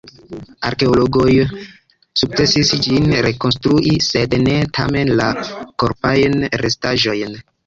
Arkeologoj sukcesis ĝin rekonstrui, sed ne, tamen, la korpajn restaĵojn.